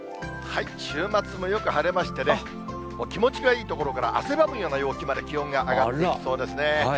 週末もよく晴れましてね、気持ちがいいところから、汗ばむような陽気まで気温が上がっていきそうですね。